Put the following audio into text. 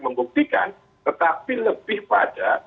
membuktikan tetapi lebih pada